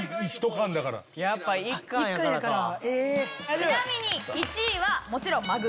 ちなみに１位はもちろんまぐろ。